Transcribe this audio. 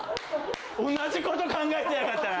同じこと考えてやがったな！